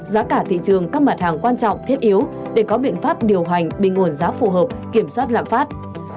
giá cả thị trường các mặt hàng quan trọng thiết yếu để có biện pháp điều hành bình ổn giá phù hợp kiểm soát lạm phát